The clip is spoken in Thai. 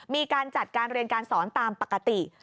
มีการจัดการเรียนการสอนตามปกติ